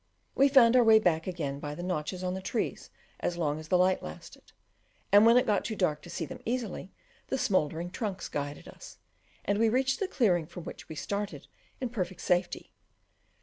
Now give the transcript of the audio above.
We found our way back again by the notches on the trees as long as the light lasted, and when it got too dark to see them easily, the smouldering trunks guided us, and we reached the clearing from which we started in perfect safety.